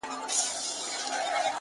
چي هغه نه وي هغه چــوفــــه اوســــــي;